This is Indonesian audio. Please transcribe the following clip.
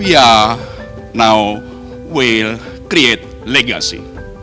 kita sekarang akan membuat legasi